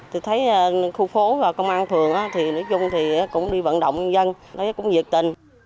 tôi thấy khu phố và công an phường thì nói chung thì cũng đi vận động nhân dân nói cũng nhiệt tình